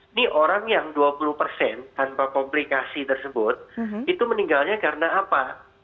ini orang yang dua puluh persen tanpa komplikasi tersebut itu meninggalnya karena apa